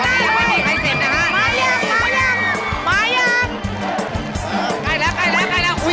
ยากเฮ้ยยาก